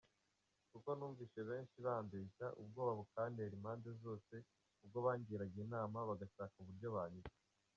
Kuko numvise benshi bambeshya, Ubwoba bukantera impande zose, Ubwo bangīraga inama, Bagashaka uburyo banyica.